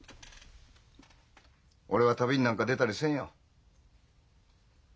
俺は旅になんか出たりせんよ。